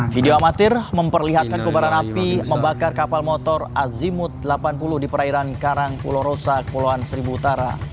video amatir memperlihatkan kebaran api membakar kapal motor azimut delapan puluh di perairan karang pulau rosa kepulauan seribu utara